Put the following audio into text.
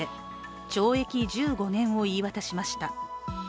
懲役１５年を言い渡しました。